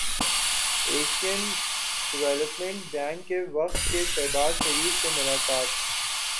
Asian development bank کے وفد کی شہباز شریف سے ملاقات